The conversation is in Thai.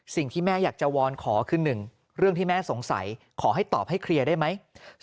สิ่งที่แม่อยากจะวอนขอคือ๑เรื่องที่แม่สงสัยขอให้ตอบให้เคลียร์ได้ไหม